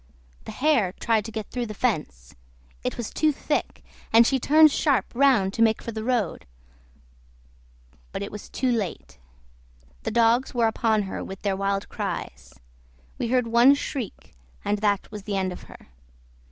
The hare tried to get through the fence; it was too thick, and she turned sharp round to make for the road, but it was too late; the dogs were upon her with their wild cries; we heard one shriek, and that was the end of her.